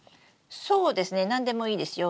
そうですね何でもいいですよ。